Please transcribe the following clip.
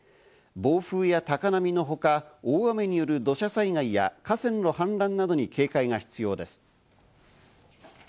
暴風や高波のほか、大雨による土砂災害や河川の氾濫などに警戒が必要です。